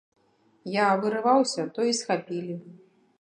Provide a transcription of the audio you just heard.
Я вырываўся, то і схапілі.